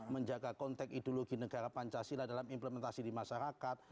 menjaga konteks ideologi negara pancasila dalam implementasi di masyarakat